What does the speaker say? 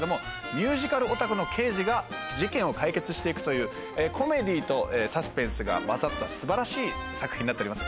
ミュージカルオタクの刑事が事件を解決して行くというコメディーとサスペンスが混ざった素晴らしい作品になっております。